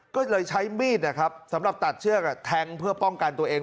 ก็เลยใช้มีดนะครับสำหรับตัดเชือกแทงเพื่อป้องกันตัวเอง